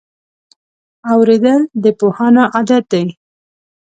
اورېدل د پوهانو عادت دی.